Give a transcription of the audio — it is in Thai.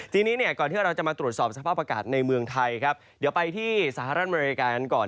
ทีนี้เนี่ยก่อนที่เราจะมาตรวจสอบสภาพอากาศในเมืองไทยครับเดี๋ยวไปที่สหรัฐอเมริกากันก่อน